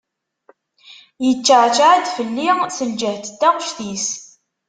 Yeččaɛčaɛ-d fell-i s lǧehd n taɣect-is.